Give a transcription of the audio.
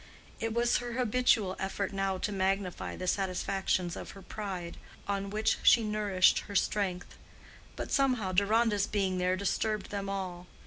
It was her habitual effort now to magnify the satisfactions of her pride, on which she nourished her strength; but somehow Deronda's being there disturbed them all.